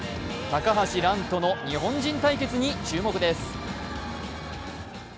高橋藍との日本人対決に注目です。